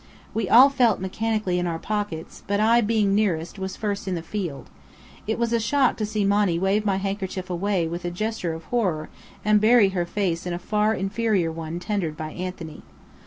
We all felt mechanically in our pockets; but I, being nearest, was first in the field. It was a shock to see Monny wave my handkerchief away with a gesture of horror, and bury her face in a far inferior one tendered by Anthony.